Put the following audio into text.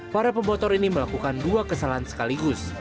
para pemotor ini melakukan dua kesalahan sekaligus